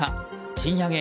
賃上げ